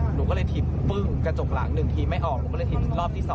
หนูก็เลยทิบปึ้งกระจกหลังหนึ่งทีไม่ออกหนูก็เลยทิบรอบที่สอง